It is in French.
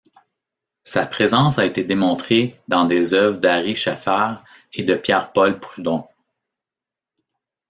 Sa présence a été démontrée dans des œuvres d'Ary Scheffer et de Pierre-Paul Prud'hon.